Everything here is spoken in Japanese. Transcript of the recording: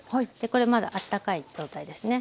これまだあったかい状態ですね。